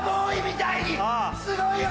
すごいよ！